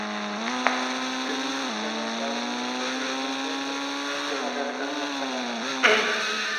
El mismo año fue nombrado miembro correspondiente de la Real Academia Española.